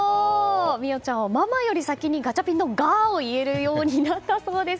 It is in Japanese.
望央ちゃんはママより先にガチャピンの「ガー」を言えるようになったそうです。